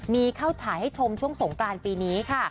มีเข้าฉายให้ชมช่วงสงกรานปีนี้ค่ะ